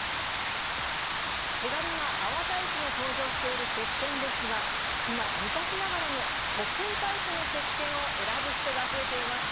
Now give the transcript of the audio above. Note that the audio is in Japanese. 手軽な泡タイプも登場しているせっけんですが、今、昔ながらの固形タイプのせっけんを選ぶ人が増えています。